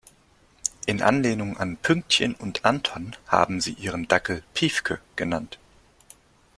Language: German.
In Anlehnung an Pünktchen und Anton haben sie ihren Dackel Piefke genannt.